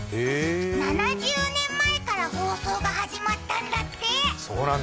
７０年前から放送が始まったんだって。